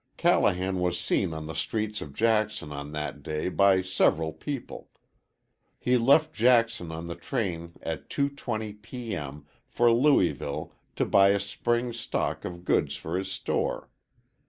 Callahan was seen on the streets of Jackson on that day by several people. He left Jackson on the train at 2.20 P. M. for Louisville to buy a spring stock of goods for his store.